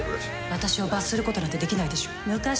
私を罰することなんてできないでしょ。